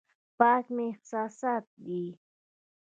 پاک مې احساسات دي.